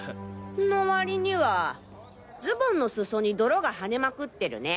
のわりにはズボンの裾に泥が跳ねまくってるね。